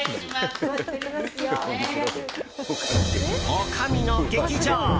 おかみの劇場。